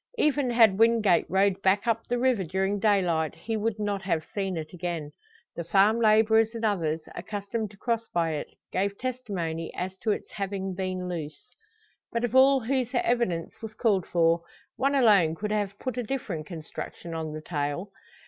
Even had Wingate rowed back up the river during daylight, he would not have seen it again. The farm labourers and others, accustomed to cross by it, gave testimony as to its having been loose. But of all whose evidence was called for, one alone could have put a different construction on the tale.